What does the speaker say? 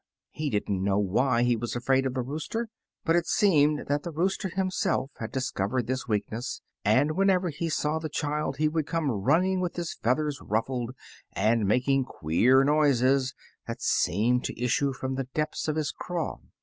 He did n't know why he was afraid of the rooster, but it seemed that the rooster himself had dis covered this weakness, and whenever he saw the child he would come running with his feathers ruffled, and making queer noises that seemed to issue from the depths of his craw.